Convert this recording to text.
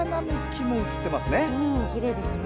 きれいですね。